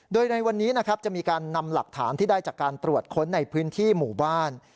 โดยในวันนี้นะครับจะมีการนำหลักฐานที่ได้จากการตรวจค้นในพื้นที่หมู่บ้าน